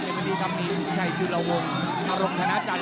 เยมนี่ท่านมีนสุขายจุลวงอารมณ์ธนาจันทร์